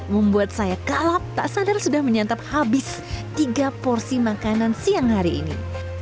membuat saya kalap tak sadar sudah menyantap habis tiga porsi makanan siang hari ini